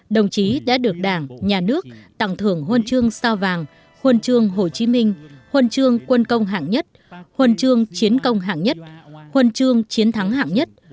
đồng chí đã được đảng nhà nước tặng thưởng huân chương sao vàng huân chương hồ chí minh huân chương quân công hạng nhất huân chương chiến công hạng nhất huân chương chiến thắng hạng nhất